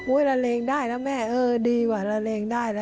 อุ๊ยละเลงได้แล้วแม่ดีว่ะละเลงได้แล้ว